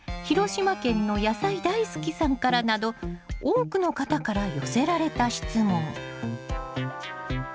広島県の野菜大好きさんからなど多くの方から寄せられた質問。